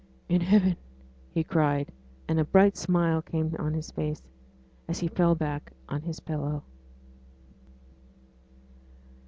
'In heaven,' he cried, and a bright smile came on his face, as he fell back on his pillow.